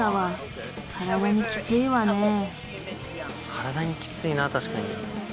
体にきついな確かに。